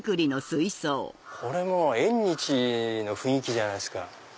これもう縁日の雰囲気じゃないですか。